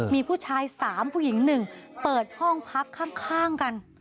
มีผู้ชายสามผู้หญิงหนึ่งเปิดห้องพับข้างกัน